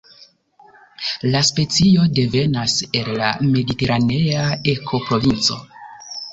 La specio devenas el la mediteranea ekoprovinco.